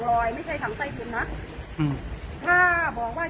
ก็ไม่รู้แต่บ้านไม่เคยเห็นว่ะ